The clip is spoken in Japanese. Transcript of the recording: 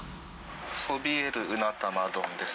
そびえるうな玉丼です。